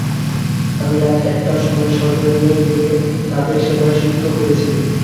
আমি রাত একটার সময় সদরে নিয়ে গেলে তাদের সেবায় সুস্থ হয়েছে।